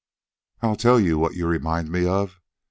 "I'll tell you what you remind me of.